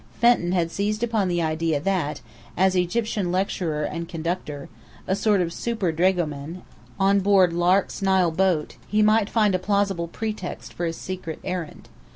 Fenton had seized upon the idea that, as Egyptian lecturer and conductor a sort of super dragoman on board Lark's Nile boat, he might find a plausible pretext for his secret errand.